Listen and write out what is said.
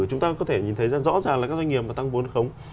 chúng ta có thể nhìn thấy rõ ràng là các doanh nghiệp mà tăng vốn khống